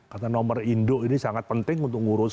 karena nomor indok ini sangat penting untuk ngurus